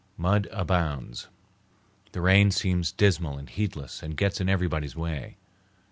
Mud abounds. The rain seems dismal and heedless and gets in everybody's way.